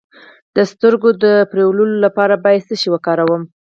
د سترګو د مینځلو لپاره باید څه شی وکاروم؟